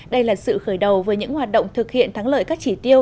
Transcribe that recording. đây là sự khởi đầu với những hoạt động thực hiện thắng lợi các chỉ tiêu